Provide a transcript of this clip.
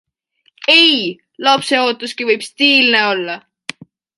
Ei, lapseootuski võib stiilne olla!